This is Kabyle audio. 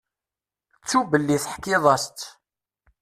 Ttu belli teḥkiḍ-as-tt.